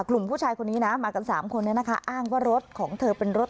กลุ่มผู้ชายคนนี้นะมากันสามคนนี้นะคะอ้างว่ารถของเธอเป็นรถ